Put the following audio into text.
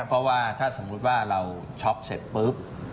เพราะว่าถ้าสมมุติว่าเราช็อกเสร็จปุ๊บ